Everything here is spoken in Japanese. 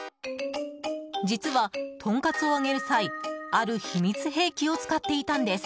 実は、とんかつを揚げる際ある秘密兵器を使っていたんです。